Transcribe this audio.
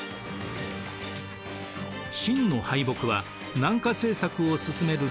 清の敗北は南下政策を進める